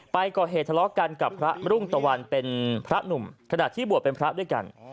ก่อเหตุทะเลาะกันกับพระรุ่งตะวันเป็นพระหนุ่มขณะที่บวชเป็นพระด้วยกัน